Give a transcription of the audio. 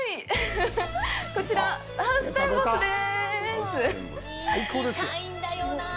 こちら、ハウステンボスです。